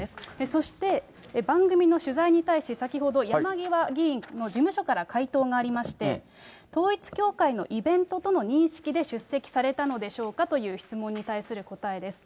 そして、番組の取材に対し、先ほど山際議員の事務所から回答がありまして、統一教会のイベントとの認識で出席されたのでしょうかという質問に対する答えです。